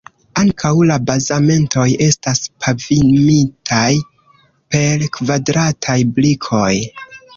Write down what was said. Ankau la bazamentoj estas pavimitaj per kvadrataj brikoj.